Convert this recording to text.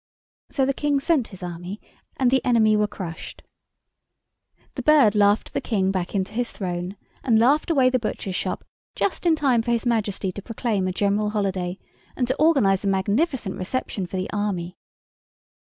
So the King sent his Army, and the enemy were crushed. The Bird laughed the King back into his throne, and laughed away the butcher's shop just in time for his Majesty to proclaim a general holiday, and to organise a magnificent reception for the Army.